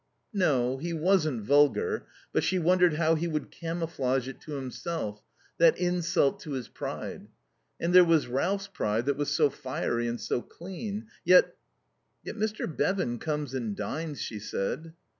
No. He wasn't vulgar. But she wondered how he would camouflage it to himself that insult to his pride. And there was Ralph's pride that was so fiery and so clean. Yet "Yet Mr. Bevan comes and dines," she said.